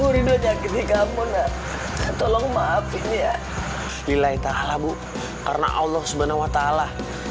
uri doa jaga di kamu nah tolong maafin ya lilay tahala bu karena allah subhanahu wa ta'ala